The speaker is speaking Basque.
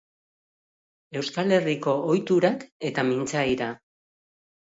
Euskal Herriko ohiturak eta mintzaira